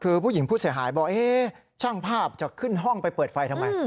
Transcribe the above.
คือผู้หญิงผู้เสียหายบอกช่างภาพจะขึ้นห้องไปเปิดไฟทำไม